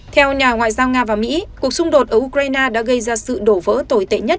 theo nhà ngoại giao nga và mỹ cuộc xung đột ở ukraine đã gây ra sự đổ vỡ tồi tệ nhất